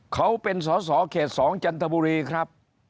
เขาเป็นสอสอเขต๒จันทบุรีครับ